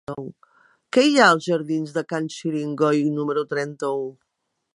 Què hi ha als jardins de Can Xiringoi número trenta-u?